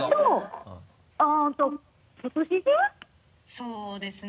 そうですね。